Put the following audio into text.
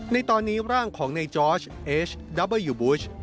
ในตอนนี้ร่างของในจอร์ชเอสดับเบอร์ยูบูช